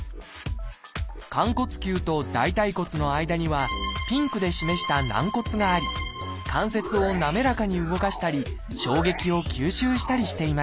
寛骨臼と大腿骨の間にはピンクで示した軟骨があり関節を滑らかに動かしたり衝撃を吸収したりしています。